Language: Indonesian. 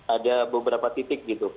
ada beberapa titik gitu